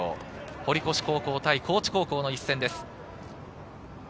堀越高校対高知高校の一戦です。